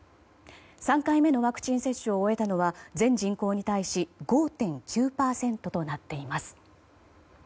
３回目のワクチン接種を終えたのは、全人口に対し５．９％となっています。